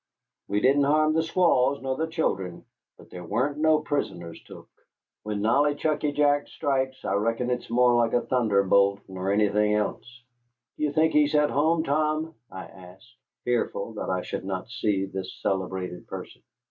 We didn't harm the squaws nor the children, but there warn't no prisoners took. When Nollichucky Jack strikes I reckon it's more like a thunderbolt nor anything else." "Do you think he's at home, Tom?" I asked, fearful that I should not see this celebrated person.